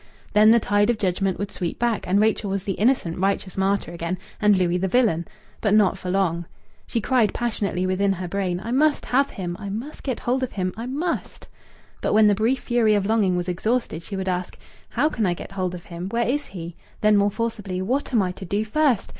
Then the tide of judgment would sweep back, and Rachel was the innocent, righteous martyr again, and Louis the villain. But not for long. She cried passionately within her brain: "I must have him. I must get hold of him. I must!" But when the brief fury of longing was exhausted she would ask: "How can I get hold of him? Where is he?" Then more forcibly: "What am I to do first?